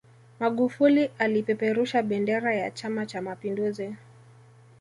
magufuli alipeperusha bendera ya chama cha mapinduzi